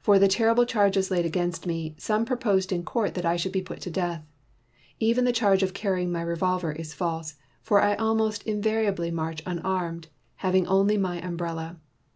"For the terrible charges laid against me, some proposed in court that I should be put to death. Even the charge of carrying my revolver is false, for I almost invariably march unarmed, having only my umbrella.